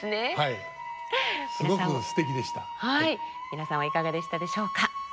皆さんはいかがでしたでしょうか。